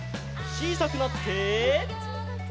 ちいさくなって。